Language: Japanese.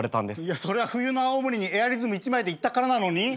いやそれは冬の青森にエアリズム１枚で行ったからなのに？